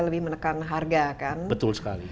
lebih menekan harga kan betul sekali